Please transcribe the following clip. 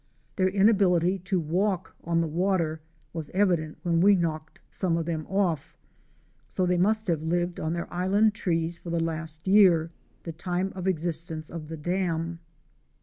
Their inability to walk on the water was evident when we knocked some of them off, so they must have lived on their island trees for the last year, the time of existence of the dam.